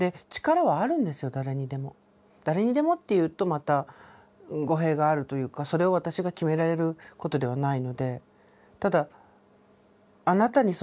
誰にでもっていうとまた語弊があるというかそれを私が決められることではないので。